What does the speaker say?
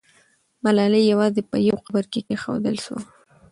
ملالۍ یوازې په یو قبر کې کښېښودل سوه.